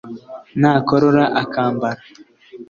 nakorora akambara